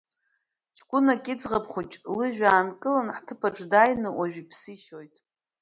Ҷкәынак иӡӷаб хәыҷ лыжәҩа аанкыла ҳҭыԥаҿ дааины уажәы иԥсы ишьоит!